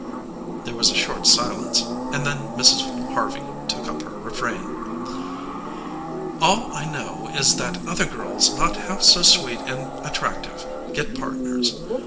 There was a short silence and then Mrs. Harvey took up her refrain: "All I know is that other girls not half so sweet and attractive get partners.